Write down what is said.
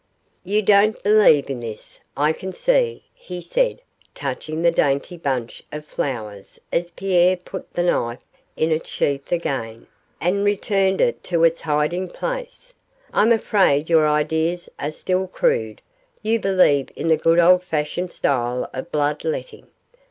'You don't believe in this, I can see,' he said, touching the dainty bunch of flowers as Pierre put the knife in its sheath again and returned it to its hiding place. 'I'm afraid your ideas are still crude you believe in the good old fashioned style of blood letting.